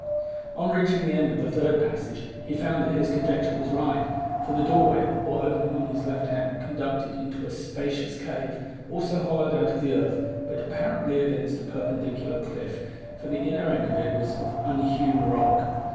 On reaching the end of the third passage he found that his conjecture was right, for the doorway or opening on his left hand conducted into a spacious cave, also hollowed out of the earth, but apparently against a perpendicular cliff, for the inner end of it was of unhewn rock.